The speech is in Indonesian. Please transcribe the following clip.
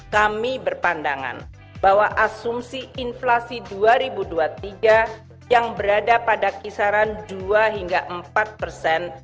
kami berpandangan bahwa asumsi inflasi dua ribu dua puluh tiga yang berada pada kisaran dua hingga empat persen